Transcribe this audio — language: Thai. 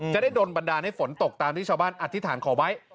จะได้โดนบันดาลให้ฝนตกตามที่ชาวบ้านอธิษฐานขอไว้